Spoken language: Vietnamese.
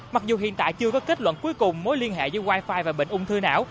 mặc dù hiện tại chưa có kết luận cuối cùng mối liên hệ giữa wifi và bệnh ung thư não